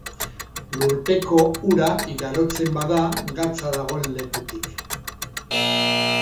Lurpeko ura igarotzen bada gatza dagoen lekutik.